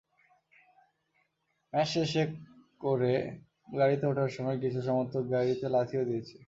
Match শেষে করে গাড়িতে ওঠার সময় কিছু সমর্থক গাড়িতে লাথিও দিয়েছে।